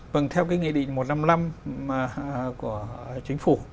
vâng theo cái nghị định một trăm năm mươi năm của chính phủ